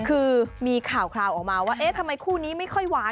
คือมีข่าวออกมาว่าเอ๊ะทำไมคู่นี้ไม่ค่อยหวาน